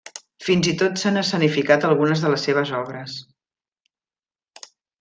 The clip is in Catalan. Fins i tot s'han escenificat algunes de les seves obres.